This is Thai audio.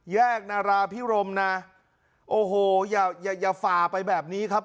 นาราพิรมนะโอ้โหอย่าอย่าฝ่าไปแบบนี้ครับ